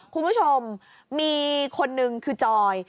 คุณผู้ชมมีคนนึงคือจอย